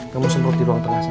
kamu sembur di ruang tengah sana